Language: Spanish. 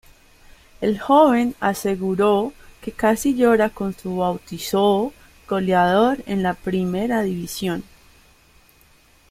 El joven aseguró que casi llora con su bautizó goleador en la Primera División.